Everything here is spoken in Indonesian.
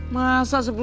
masa sepuluh ribu doang